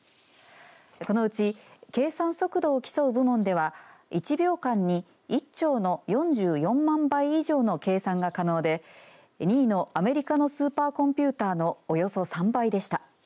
このうち計算速度を競う部門では１秒間に１兆の４４万倍以上の計算が可能で２位のアメリカのスーパーコンピューターのおよそ３倍でした。